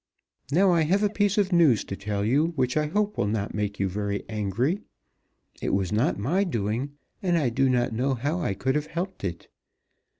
Now I have a piece of news to tell you which I hope will not make you very angry. It was not my doing, and I do not know how I could have helped it.